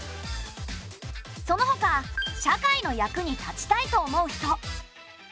そのほか社会の役に立ちたいと思う人